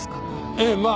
ええまあ。